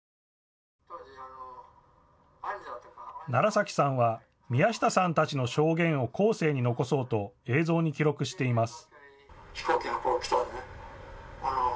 楢崎さんは宮下さんたちの証言を後世に残そうと映像に記録しています。